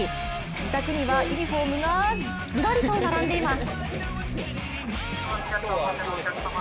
自宅にはユニフォームがずらりと並んでいます。